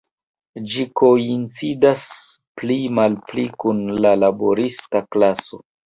Ĝi koincidas pli malpli kun la laborista klaso.